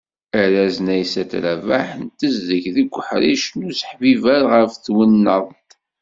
Arraz n Aysat Rabaḥ n tezdeg deg uḥric n useḥbiber ɣef twennaḍt.